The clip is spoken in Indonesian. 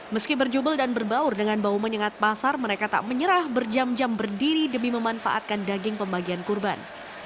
meski berjubel dan berbaur dengan bau menyengat pasar mereka tak menyerah berjam jam berdiri demi memanfaatkan daging pembagian kurban